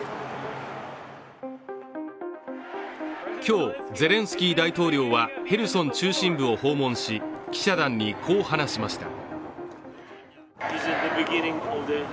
今日、ゼレンスキー大統領はヘルソン中心部を訪問し、記者団にこう話しました。